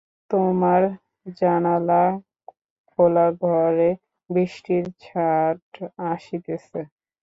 তোমার জানলা খোলা, ঘরে বৃষ্টির ছাঁট আসিতেছে।